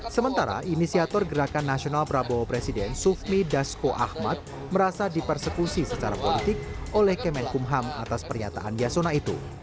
sementara inisiator gerakan nasional prabowo presiden sufmi dasko ahmad merasa dipersekusi secara politik oleh kemenkumham atas pernyataan yasona itu